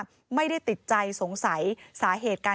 พ่อพูดว่าพ่อพูดว่าพ่อพูดว่าพ่อพูดว่า